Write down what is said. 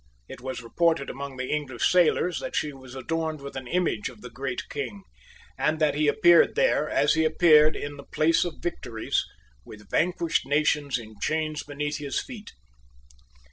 It was reported among the English sailors that she was adorned with an image of the Great King, and that he appeared there, as he appeared in the Place of Victories, with vanquished nations in chains beneath his feet.